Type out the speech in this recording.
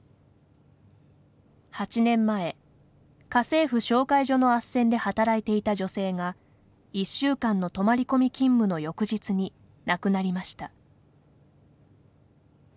８年前、家政婦紹介所のあっせんで働いていた女性が１週間の泊まり込み勤務の翌日に亡くなりました。